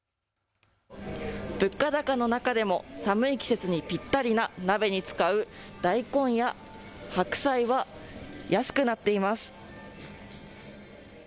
物価高の中でも寒い季節にぴったりな鍋に使う大根や白菜は安くなっています。